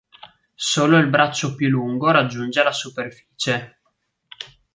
Solo il braccio più lungo raggiunge la superficie.